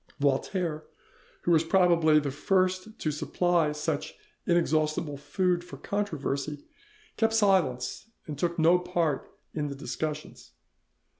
Voltaire, who was probably the first to supply such inexhaustible food for controversy, kept silence and took no part in the discussions.